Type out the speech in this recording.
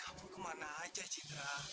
kamu kemana saja citra